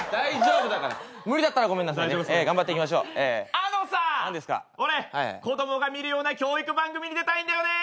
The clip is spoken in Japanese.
あのさ俺子供が見るような教育番組に出たいんだよね！